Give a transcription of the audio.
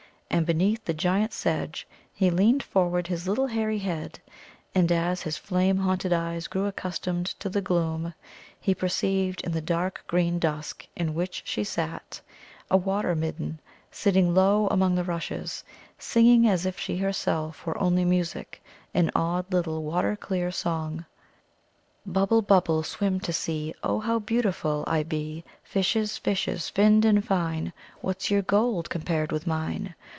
And beneath the giant sedge he leaned forward his little hairy head, and as his flame haunted eyes grew accustomed to the gloom, he perceived in the dark green dusk in which she sat a Water midden sitting low among the rushes, singing, as if she herself were only music, an odd little water clear song. "Bubble, Bubble, Swim to see Oh, how beautiful I be. "Fishes, Fishes, Finned and fine, What's your gold Compared with mine?